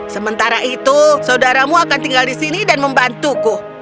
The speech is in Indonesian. sementara itu saudaramu akan tinggal di sini dan membantuku